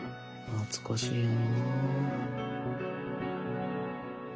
懐かしいな。